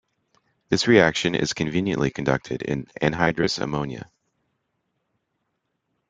This reaction is conveniently conducted in anhydrous ammonia.